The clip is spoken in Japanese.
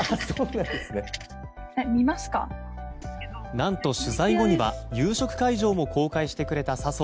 何と、取材後には夕食会場も公開してくれた笹生。